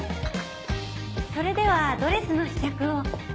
それではドレスの試着を。